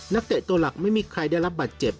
เตะตัวหลักไม่มีใครได้รับบัตรเจ็บ